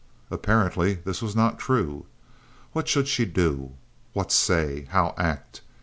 Apparently this was not true. What should she do? What say? How act?